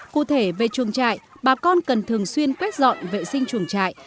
cụ thể về chuồng trại bà con cần thường xuyên quét dọn vệ sinh chuồng trại